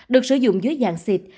được sử dụng dưới dạng xịt